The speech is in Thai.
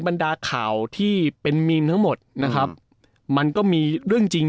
บรรดาข่าวที่เป็นมีนทั้งหมดนะครับมันก็มีเรื่องจริง